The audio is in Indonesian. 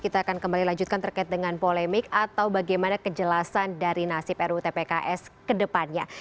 kita akan kembali lanjutkan terkait dengan polemik atau bagaimana kejelasan dari nasib rutpks ke depannya